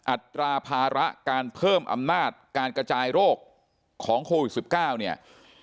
อัตราภาระการเพิ่มอำนาจการกระจายโรคของโควิด๑๙เนี่ย